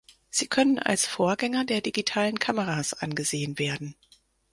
Sie können als Vorgänger der digitalen Kameras angesehen werden.